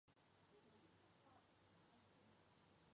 他也代表法国青年国家足球队参赛。